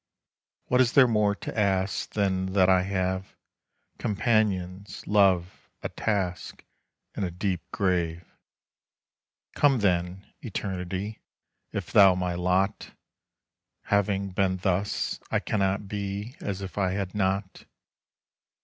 What is there more to ask Than that I have? Companions, love, a task, And a deep grave! Come then, Eternity, If thou my lot; Having been thus, I cannot be As if I had not.